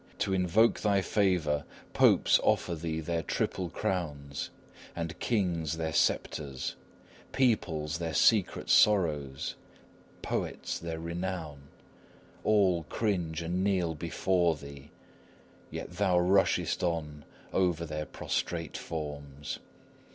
To invoke thy favour, popes offer thee their triple crowns, and kings their sceptres; peoples, their secret sorrows; poets, their renown. All cringe and kneel before thee, yet thou rushest on over their prostrate forms.